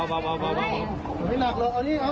โอ้ยโอ้หลายผู้หญิงนี่ก็มาด้วย